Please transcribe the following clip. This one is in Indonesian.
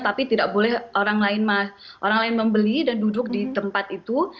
tapi tidak boleh orang lain membeli dan duduk di tempat itu